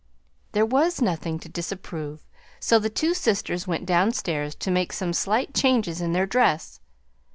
There was nothing to disapprove, so the two sisters went downstairs to make some slight changes in their dress.